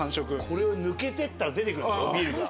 これを抜けてったら出てくるでしょビールが。